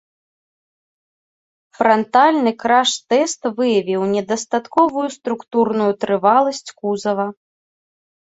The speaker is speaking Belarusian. Франтальны краш-тэст выявіў недастатковую структурную трываласць кузава.